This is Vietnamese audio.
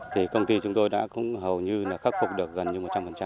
thì công ty chúng tôi đã cũng hầu như là khắc phục được gần như một trăm linh